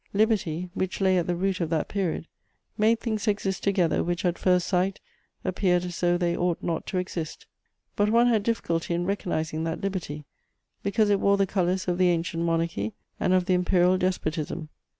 Liberty, which lay at the root of that period, made things exist together which, at first sight, appeared as though they ought not to exist; but one had difficulty in recognising that liberty, because it wore the colours of the Ancient Monarchy and of the Imperial Despotism.